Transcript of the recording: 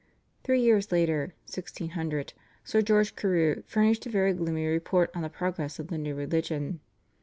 " Three years later (1600) Sir George Carew furnished a very gloomy report on the progress of the new religion.